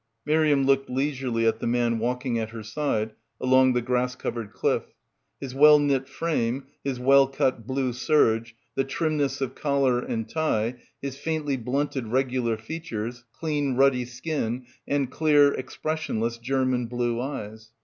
Miriam looked leisurely at the man walking at her side along the grass covered cliff; his well knit frame, his well cut blue serge, the trimness of collar and tie, his faintly blunted regular features, clean ruddy skin and clear expressionless German blue eyes.